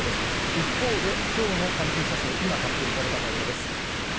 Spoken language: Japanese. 一方で、きょうの感染者数、今、発表されたもようです。